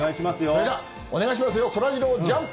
それではお願いしますよ、そらジロー、ジャンプ。